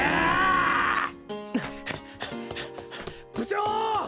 部長！